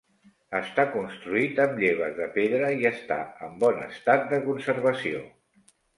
Està construït amb lleves de pedra i està en bon estat de conservació.